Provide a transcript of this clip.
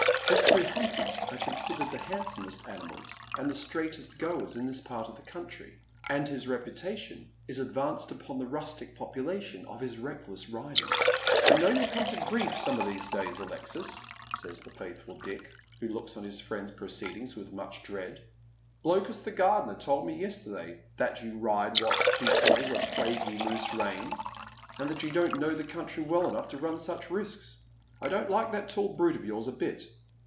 His two hunters are considered the handsomest animals and Ihe straightest goors in tliis part of the country, and his reputft 220 Dead Men's Shoes. tion is advanced among the rustic population by his recklesa riding. " I know you'll come to grief eome of these days, Alexis," saya the faitliful Dick, who looks on his friend's proceedings with much dread. " Blokus, the gardener, told me yesterday that you ride with what he calls a ' plaguey loose rein,' and that you don't know the country well enough to run such risks. I don't like that tall brute of yours a bit."